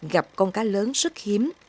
gặp con cá lớn rất hiếm